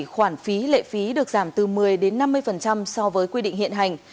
ba mươi bảy khoản phí lệ phí được giảm từ một mươi đến năm mươi so với quy định hiện hành